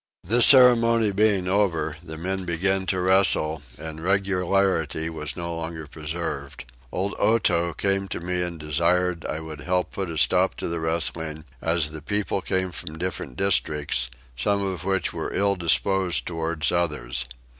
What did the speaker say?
This ceremony being over the men began to wrestle and regularity was no longer preserved. Old Otow came to me and desired I would help to put a stop to the wrestling as the people came from different districts, some of which were ill disposed towards others.